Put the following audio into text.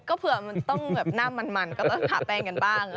ก็เผื่อมันต้องแบบหน้ามันก็ต้องขาแป้งกันบ้าง